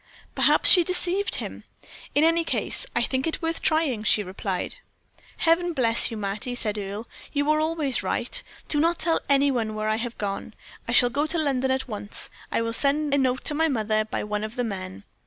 "Perhaps she deceived him. In any case, I think it worth trying," she replied. "Heaven bless you, Mattie," said Earle. "You are always right. Do not tell any one where I have gone. I shall go to London at once. I will send a note to my mother by one of the men.